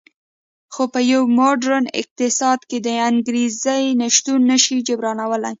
خو په یو موډرن اقتصاد کې د انګېزې نشتون نه شي جبرانولی